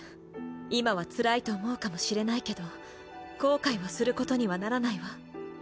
今はつらいと思うかもしれないけど後悔をすることにはならないわ。